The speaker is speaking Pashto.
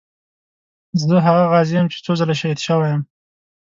زه هغه غازي یم چې څو ځله شهید شوی یم.